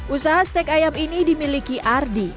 usaha steak ayam ini dimiliki ardi